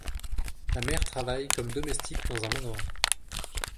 La mère travaille comme domestique dans un manoir.